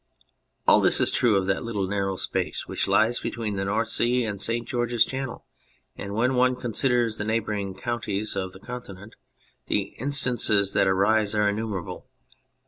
All this is true of that little narrow space which lies between the North Sea and St. George's Channel, and when one considers the neighbouring countries of the Continent the instances that arise are innumerable.